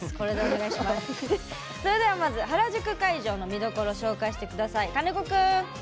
それではまず原宿会場の見どころ紹介してください。